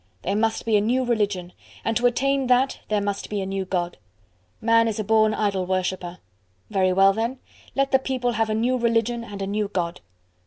There must be a new religion; and to attain that there must be a new God. "Man is a born idol worshipper." Very well then! let the People have a new religion and a new God.